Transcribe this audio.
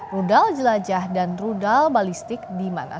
rudal jelajah dan rudal balistik di mana